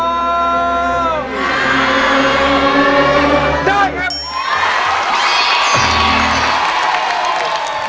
ได้ครับ